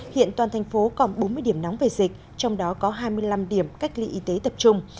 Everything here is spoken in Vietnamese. hiện toàn thành phố còn bốn mươi điểm nóng về dịch trong đó có hai mươi năm điểm cách ly y tế tập trung